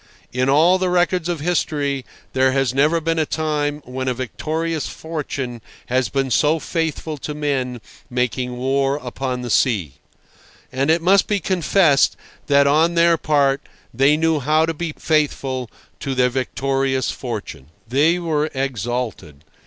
In all the records of history there has never been a time when a victorious fortune has been so faithful to men making war upon the sea. And it must be confessed that on their part they knew how to be faithful to their victorious fortune. They were exalted.